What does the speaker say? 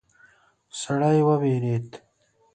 سړی وویرید.